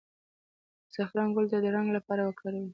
د زعفران ګل د رنګ لپاره وکاروئ